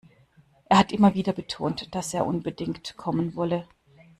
Er hat immer wieder betont, dass er unbedingt kommen wolle.